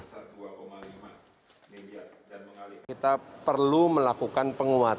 kita perlu melakukan penguatan